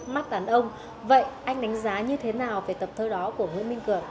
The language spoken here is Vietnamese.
mắc đàn ông vậy anh đánh giá như thế nào về tập thơ đó của nguyễn minh cường